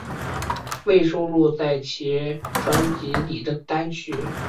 未收录在其专辑里的单曲